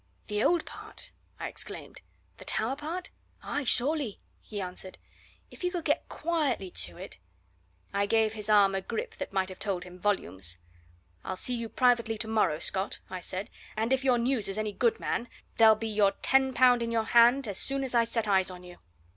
"The old part!" I exclaimed. "The Tower part?" "Aye, surely!" he answered. "If you could get quietly to it " I gave his arm a grip that might have told him volumes. "I'll see you privately tomorrow, Scott," I said. "And if your news is any good man! there'll be your ten pound in your hand as soon as I set eyes on you!"